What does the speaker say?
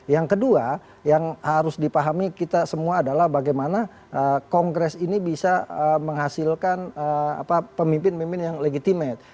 yang kedua yang harus dipahami kita semua adalah bagaimana kongres ini bisa menghasilkan pemimpin pemimpin yang legitimate